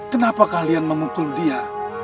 kenapa kalian memukul dia